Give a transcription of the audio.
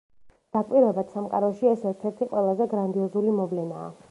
დაკვირვებად სამყაროში ეს ერთ-ერთი ყველაზე გრანდიოზული მოვლენაა.